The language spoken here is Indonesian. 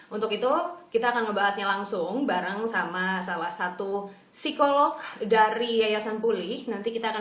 untuk itu kita akan membahasnya langsung bareng sama salah satu psikolog dari yayasan pulih nanti kita akan